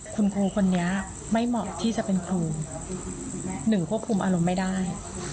คุณครูคนนี้ไม่เหมาะที่จะเป็นครูหนึ่งควบคุมอารมณ์ไม่ได้